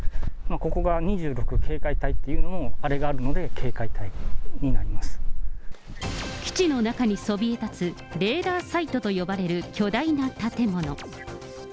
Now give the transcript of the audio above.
ここが第２６警戒隊っていうのも、基地の中にそびえたつレーダーサイトと呼ばれる巨大な建物。